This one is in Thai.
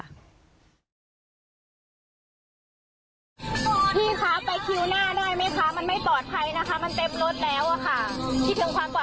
อันนี้มันยี่สิบประมาณคนแล้วนะคะ